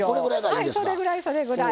それぐらいそれぐらい。